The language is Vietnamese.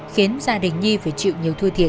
khiến gia đình nhi phải chịu nhiều thua thiệt